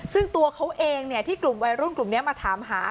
ซึ่งตัวเขาเองที่กลุ่มวัยรุ่นกลุ่มนี้มาถามหา